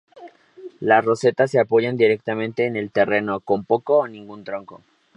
Las rosetas se apoyan directamente en el terreno, con poco o ningún tronco.